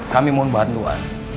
kami mohon bantuan